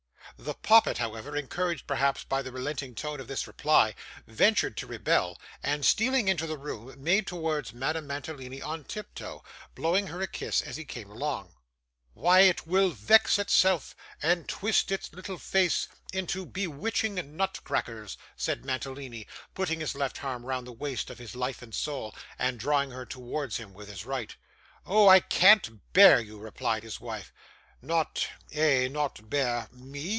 The poppet, however, encouraged perhaps by the relenting tone of this reply, ventured to rebel, and, stealing into the room, made towards Madame Mantalini on tiptoe, blowing her a kiss as he came along. 'Why will it vex itself, and twist its little face into bewitching nutcrackers?' said Mantalini, putting his left arm round the waist of his life and soul, and drawing her towards him with his right. 'Oh! I can't bear you,' replied his wife. 'Not eh, not bear ME!